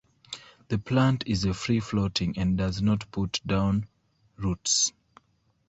The plant is a free-floating and does not put down roots.